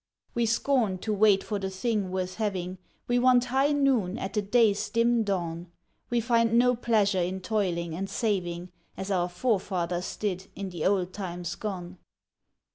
We scorn to wait for the thing worth having; We want high noon at the day's dim dawn; We find no pleasure in toiling and saving, As our forefathers did in the old times gone.